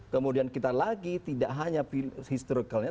kemudian kita lagi tidak hanya historicalnya